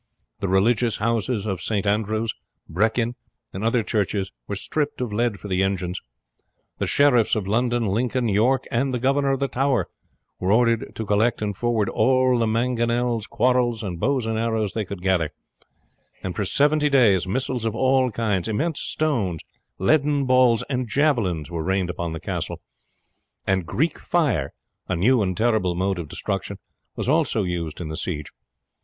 The religious houses of St. Andrews, Brechin, and other churches were stripped of lead for the engines. The sheriffs of London, Lincoln, York, and the governor of the Tower were ordered to collect and forward all the mangonels, quarrels, and bows and arrows they could gather; and for seventy days missiles of all kinds, immense stones, leaden balls, and javelins were rained upon the castle; and Greek fire a new and terrible mode of destruction was also used in the siege.